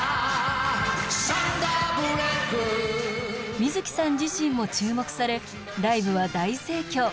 水木さん自身も注目されライブは大盛況。